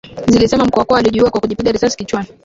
Zilisema Mkwawa alijiua kwa kujipiga risasi kichwani